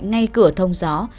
ngay cửa thông gió